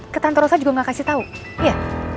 ke tante rosa juga gak kasih tau ya